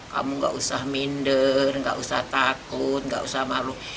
kamu gak usah minder nggak usah takut nggak usah malu